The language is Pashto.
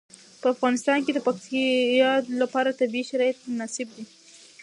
په افغانستان کې د پکتیا لپاره طبیعي شرایط مناسب دي.